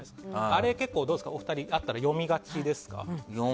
あれ結構、二人はあったら読みがちですか？